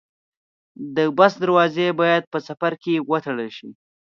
د بس دروازې باید په سفر کې وتړل شي.